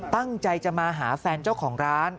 ตั้งใจจะมาหาแฟนเจ้าของร้าน